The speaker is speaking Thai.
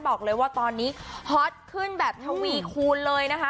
บอกเลยว่าตอนนี้ฮอตขึ้นแบบทวีคูณเลยนะคะ